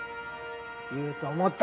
言うと思った。